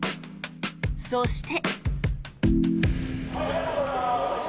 そして。